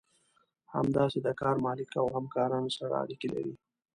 همداسې د کار مالک او همکارانو سره اړيکې.